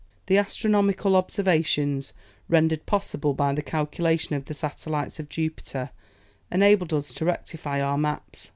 The astronomical observations, rendered possible by the calculation of the satellites of Jupiter, enabled us to rectify our maps.